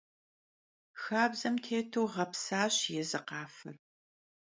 Xabzem têtu ğepsaş yêzı khafer.